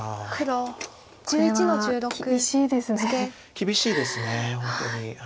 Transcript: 厳しいです本当に。